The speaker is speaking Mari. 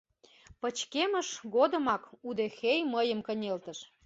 Пычкемыш годымак удэхей мыйым кынелтыш.